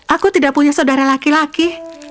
aku tidak punya saudara laki laki